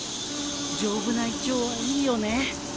丈夫な胃腸はいいよね